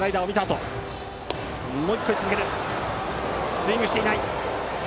スイングはしていない。